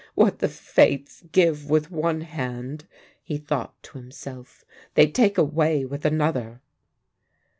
"What the Fates give with one hand," he thought to himself, "they take away with another!"